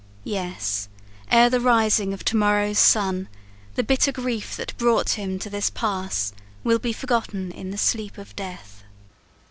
Yes! ere the rising of to morrow's sun, The bitter grief that brought him to this pass Will be forgotten in the sleep of death."